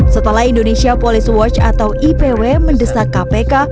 setelah indonesia police watch atau ipw mendesak kpk